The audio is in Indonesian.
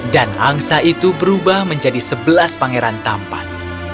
dan angsa itu berubah menjadi sebelas pangeran tampan